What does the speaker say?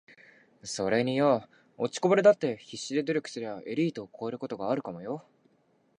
｢それによ……落ちこぼれだって必死で努力すりゃエリートを超えることがあるかもよ｣